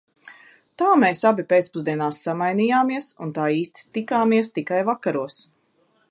Tā mēs abi pēcpusdienās samainījāmies un tā īsti tikāmies tikai vakaros.